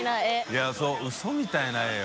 いそうウソみたいな絵よ。